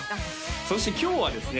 そして今日はですね